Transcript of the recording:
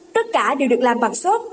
tất cả đều được làm bằng xốp